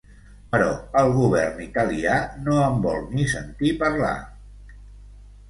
Però el govern italià no en vol ni sentir parlar.